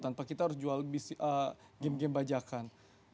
tanpa kita harus jual game game bajakan